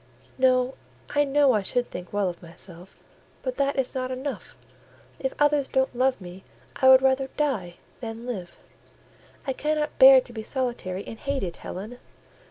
"No; I know I should think well of myself; but that is not enough: if others don't love me I would rather die than live—I cannot bear to be solitary and hated, Helen.